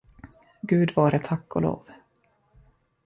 Gud vare tack och lov!